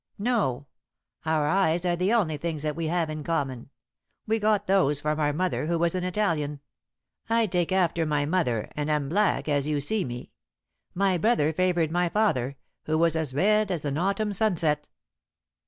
"No. Our eyes are the only things that we have in common. We got those from our mother, who was an Italian. I take after my mother, and am black, as you see me. My brother favored my father, who was as red as an autumn sunset."